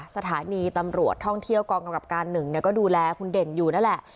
สถานีตำรวจท่องเที่ยวกองกำกับการหนึ่งก็ดูแลคุณเด่นอยู่นั่นแหละ